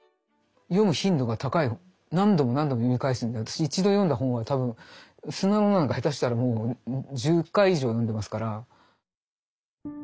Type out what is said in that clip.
何度も何度も読み返すんで私一度読んだ本は多分「砂の女」なんか下手したらもう１０回以上読んでますから。